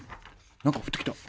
何か降ってきた。